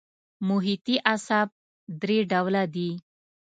محیطي اعصاب درې ډوله دي.